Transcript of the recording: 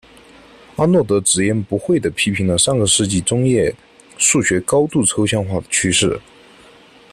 阿诺德直言不讳地批评了上个世纪中叶数学高度抽象化的趋势。